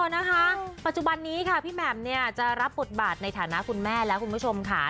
นะคะปัจจุบันนี้ค่ะพี่แหม่มเนี่ยจะรับบทบาทในฐานะคุณแม่แล้วคุณผู้ชมค่ะ